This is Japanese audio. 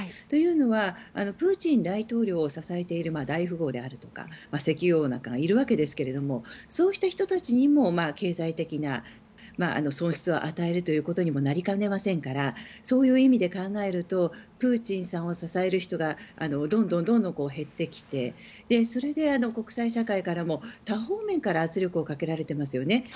というのはプーチン大統領を支えている大富豪であるとか石油王なんかがいるわけですがそうした人たちにも経済的な損失を与えるということにもなりかねませんからそういう意味で考えるとプーチンさんを支える人がどんどん減ってきてそれで国際社会からも多方面から圧力をかけられていますよね。